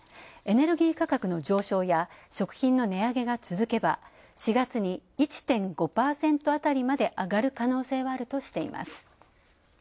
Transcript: エネルギー価格の上昇や食品の値上げが続けば、４月に１．５％辺りまで上がる可能性はあるとしています